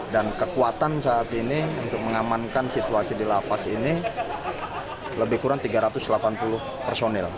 dan kekuatan saat ini untuk mengamankan situasi di lapas ini lebih kurang tiga ratus delapan puluh personil